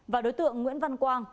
và đối tượng nguyễn văn quang